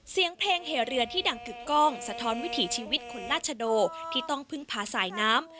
เสียงเพลงเหเรือที่ดังกึกกล้องสะท้อนวิถีชีวิตคุณราชโดที่ต้องพึ่งพาสายน้ำ